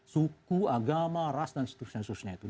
suku agama ras dan seterusnya seterusnya itu